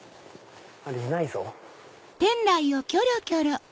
いないぞ。